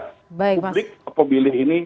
publik pemilih ini